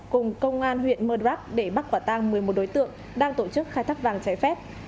cùng công an huyện mơ đrắc để bắt quả tang một mươi một đối tượng đang tổ chức khai thác vàng trái phép